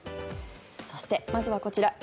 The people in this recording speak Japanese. そしてまずはこちら。